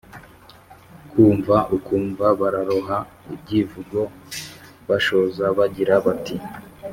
kumva ukumva bararoha ibyivugo, bashoza bagira bati:“